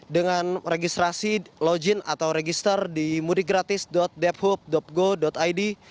dengan registrasi login atau register di mudikgratis debhub go id